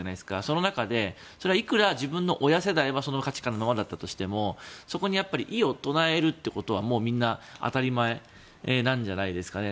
その中で、いくら自分の親世代はそのままの価値観だったとしてもそこに異を唱えることは当たり前なんじゃないですかね。